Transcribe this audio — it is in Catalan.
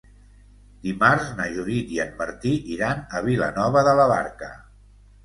Dimarts na Judit i en Martí iran a Vilanova de la Barca.